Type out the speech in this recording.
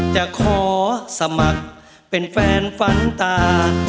จะขอสมัครเป็นแฟนฝันตา